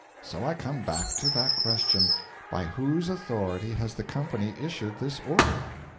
So I come back to that question: By whose authority has the company issued this order?'